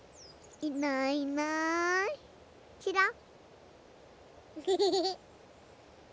いないいないちらっ。